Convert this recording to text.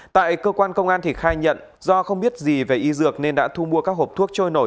tại cơ quan công an thị khai nhận do không biết gì về y dược nên đã thu mua các hộp thuốc trôi nổi